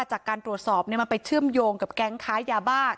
จากการตรวจสอบมันไปเชื่อมโยงกับแก๊งค้ายาบ้า